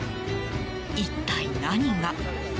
一体何が？